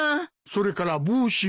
それから帽子も。